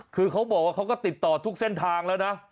คือเขาบอกว่าเขาก็ติดต่อทุกเส้นทางแล้วนะ